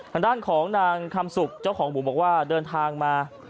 ทางด้านของนางคำสุกเจ้าของหมูบอกว่าเดินทางมา